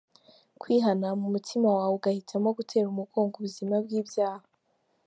Kwihana mu mutima wawe, ugahitamo gutera umugogo ubuzima bw’ibyaha.